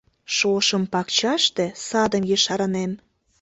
Шошым пакчаште садым ешарынем.